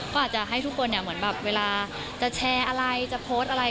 ก็อาจจะให้ทุกคนเหมือนแบบเวลาจะแชร์อะไรจะโพสต์อะไร